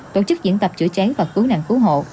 tổ chức diễn tập chữa cháy và cứu nạn cứu hộ